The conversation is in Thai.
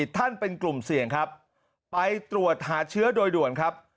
ท่านเป็นกลุ่มเสี่ยงครับไปตรวจหาเชื้อโดยด่วนครับ